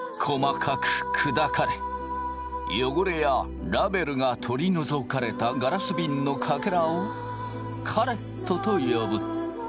細かく砕かれ汚れやラベルが取り除かれたガラスびんのかけらをカレットと呼ぶ。